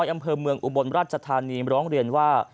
อำเภอเมืองอุบลราชธานีร้องเรียนว่า